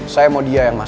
saya mau dia yang bekerja